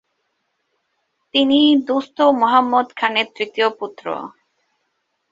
তিনি দোস্ত মুহাম্মদ খানের তৃতীয় পুত্র।